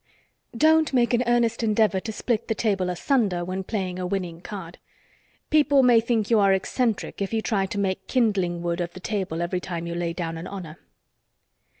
Don't make an earnest endeavor to split the table asunder when playing a winning card. People may think you are eccentric if you try to make kindling wood of the table every time you lay down an honor.